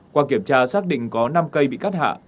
qua kiểm tra xác định có năm cây bị cắt hạ